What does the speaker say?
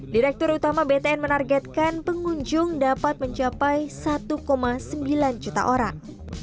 direktur utama btn menargetkan pengunjung dapat mencapai satu sembilan juta orang